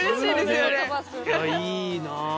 いやいいなあ。